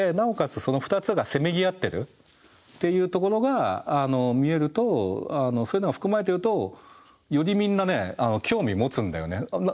その２つがせめぎ合ってるっていうところが見えるとそういうのが含まれているとよりみんなね興味持つんだよね。